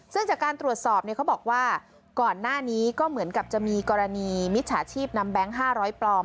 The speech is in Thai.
ซึ่งจากการตรวจสอบเขาบอกว่าก่อนหน้านี้ก็เหมือนกับจะมีกรณีมิจฉาชีพนำแบงค์๕๐๐ปลอม